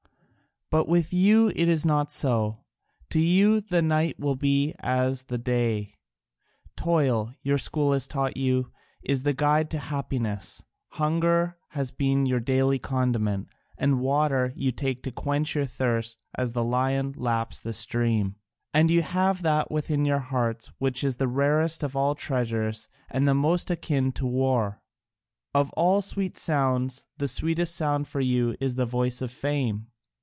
But with you it is not so: to you the night will be as the day; toil, your school has taught you, is the guide to happiness; hunger has been your daily condiment, and water you take to quench your thirst as the lion laps the stream. And you have that within your hearts which is the rarest of all treasures and the most akin to war: of all sweet sounds the sweetest sound for you is the voice of fame.